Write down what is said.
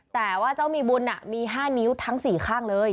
แต่ว่าเจ้ามีบุญมี๕นิ้วทั้ง๔ข้างเลย